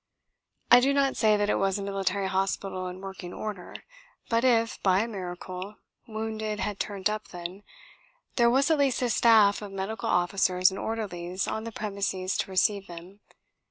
I do not say that it was a military hospital in working order. But if, by a miracle, wounded had turned up then, there was at least a staff of medical officers and orderlies on the premises to receive them.